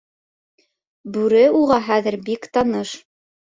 Бүре уға хәҙер бик таныш.